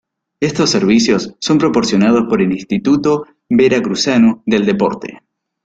Estos servicios son proporcionados por el Instituto Veracruzano del Deporte.